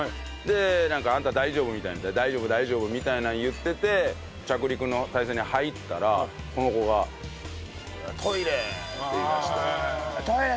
なんか「あんた大丈夫？」みたいなので「大丈夫大丈夫」みたいなの言ってて着陸の態勢に入ったらその子が「トイレ！」って言いだして「トイレ！